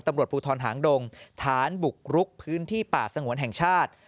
ตำรวจภูทรหางดงฐานบุกรุกพื้นที่ป่าสงวนแห่งชาติ